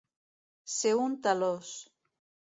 Ser un talòs.